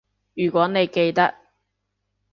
如果你記得